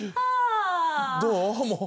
どう？